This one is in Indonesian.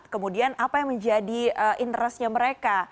kemudian apa yang menjadi interest nya mereka